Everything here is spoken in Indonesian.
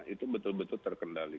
itu betul betul terkendali